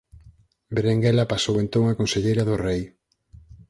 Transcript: Berenguela pasou entón a conselleira do rei.